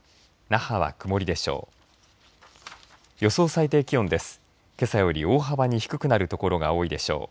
那覇は曇りでしょう。